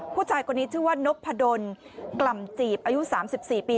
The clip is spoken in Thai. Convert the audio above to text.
ผู้ชายคนนี้ชื่อว่านพดลกล่ำจีบอายุ๓๔ปี